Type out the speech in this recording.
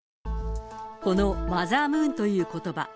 このマザームーンということば。